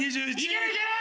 いけるいける！